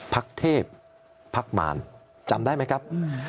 พักเทพพักมารจำได้ไหมครับ